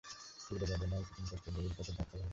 তীব্র বেদনায়, কঠিন কষ্টের গভীর ক্ষতে ধাক্কা লাগে আবার।